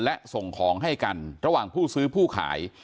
และส่งของให้กันระหว่างผู้ซื้อผู้ขาย